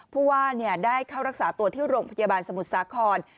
ผู้ว่าได้เข้ารักษาตัวที่โรงพยาบาลสมุทรสาคร